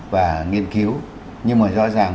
và nghiên cứu nhưng mà rõ ràng